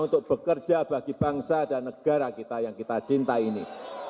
untuk bekerja bagi bangsa dan negara kita yang kita cinta ini